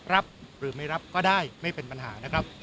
รับหรือไม่รับก็ได้ไม่เป็นปัญหานะครับ